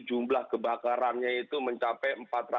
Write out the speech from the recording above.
jumlah kebakarannya itu mencapai